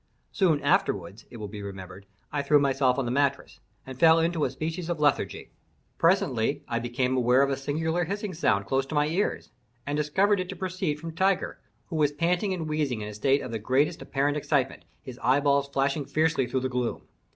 Soon afterward, it will be remembered, I threw myself on the mattress, and fell into a species of lethargy. Presently I became aware of a singular hissing sound close at my ears, and discovered it to proceed from Tiger, who was panting and wheezing in a state of the greatest apparent excitement, his eyeballs flashing fiercely through the gloom.